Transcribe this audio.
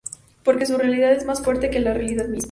Porque su realidad es más fuerte que la realidad misma.